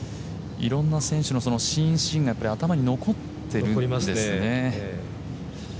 いろんな選手のシーンが頭に残ってるんですね。